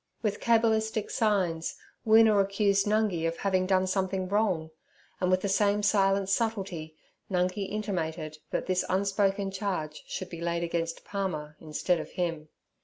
With cabalistic signs Woona accused Nungi of having done something wrong, and, with the same silent subtlety, Nungi intimated that this unspoken charge should be laid against Palmer instead of him.